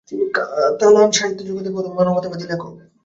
তিনি কাতালান সাহিত্যজগতের প্রথম মানবতাবাদী লেখক।